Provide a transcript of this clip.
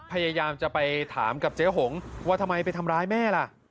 พยายามจะไปถามกับเจ๊หงว่าทำไมไปทำร้ายแม่ล่ะ